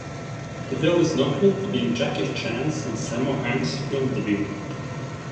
The film is notable, for being Jackie Chan's and Sammo Hung's film debut.